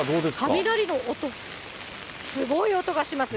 雷の音、すごい音がします。